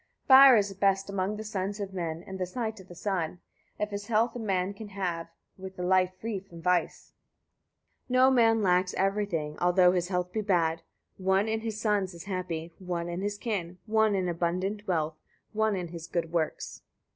68. Fire is best among the sons of men, and the sight of the sun, if his health a man can have, with a life free from vice. 69. No man lacks everything, although his health be bad: one in his sons is happy, one in his kin, one in abundant wealth, one in his good works.